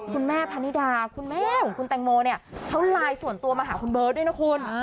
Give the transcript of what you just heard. พานิดาคุณแม่ของคุณแตงโมเนี่ยเขาไลน์ส่วนตัวมาหาคุณเบิร์ตด้วยนะคุณ